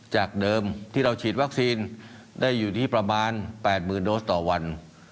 จากเดิมที่เราฉีดวัคซีนได้อยู่ที่ประมาณ๘๐๐๐โดสต่อวัน